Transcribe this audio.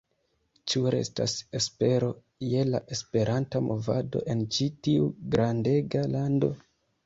Ĉu restas espero je la Esperanta movado en ĉi tiu grandega lando?